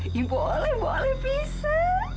ya boleh boleh bisa